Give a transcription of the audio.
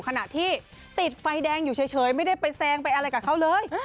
ขณะที่ติดไฟแดงอยู่เฉยไม่ได้ไปแซงไปอะไรกับเขาเลย